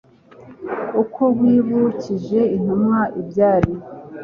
uko wibukije intumwa ibyari